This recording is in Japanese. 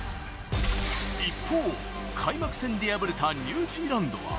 一方、開幕戦で敗れたニュージーランドは。